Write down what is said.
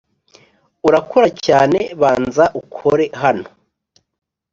urakora cyane banza ukore hano